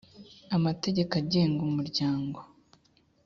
amategeko agenga umurya ngo